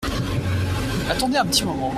Attendez un petit moment !